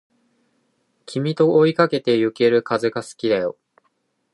君と追いかけてゆける風が好きだよ